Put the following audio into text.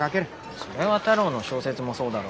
それは太郎の小説もそうだろう。